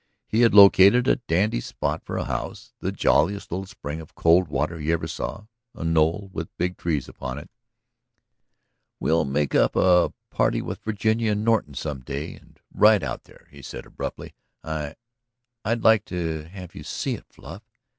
He had located a dandy spot for a house ... the jolliest little spring of cold water you ever saw ... a knoll with big trees upon it. "We'll make up a party with Virginia and Norton some day and ride out there," he said abruptly. "I ... I'd like to have you see it, Fluff."